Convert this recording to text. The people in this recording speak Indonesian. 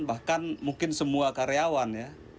bahkan mungkin semua karyawan ya